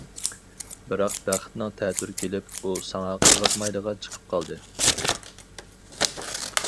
بىراق بەختىڭ تەتۈر كېلىپ ئۇ ساڭا قىزىقمايدىغان چىقىپ قالدى.